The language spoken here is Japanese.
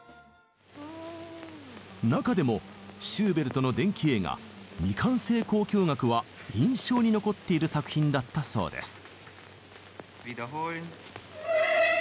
中でもシューベルトの伝記映画「未完成交響楽」は印象に残っている作品だったそうです。